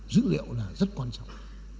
dữ liệu là rất quan trọng